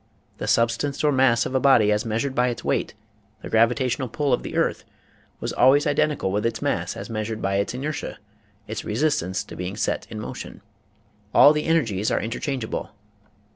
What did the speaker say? The substance or mass of a body as measured by its weight (the gravitational pull of the earth) was always identi cal with its mass as measured by its inertia (its re sistance to being set in motion). All the energies are interchangeable.